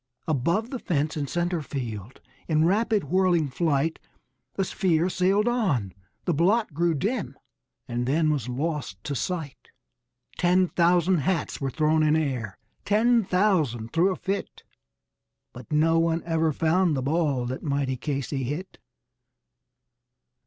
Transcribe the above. Above the fence in center field, in rapid whirling flight The sphere sailed on; the blot grew dim and then was lost to sight. Ten thousand hats were thrown in air, ten thousand threw a fit; But no one ever found the ball that mighty Casey hit!